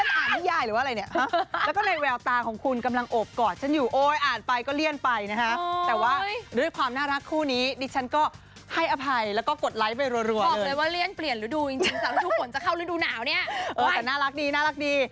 แต่ว่าน่ารักดีน่ารักดี